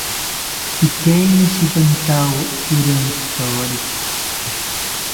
Pikeinishitantawo pirentzitori